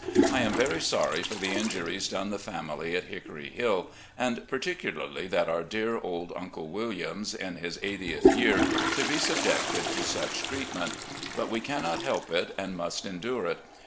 I am very sorry for the injuries done the family at Hickory Hill, and particularly that our dear old Uncle Williams, in his eightieth year, should be sub jected to such treatment. But we cannot help it, and must endure it.